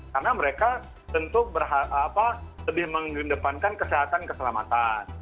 karena mereka tentu lebih mengedepankan kesehatan keselamatan